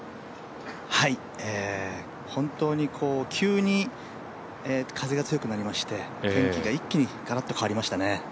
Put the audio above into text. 本当に急に風が強くなりまして天気が一気にがらっと変わりましたね。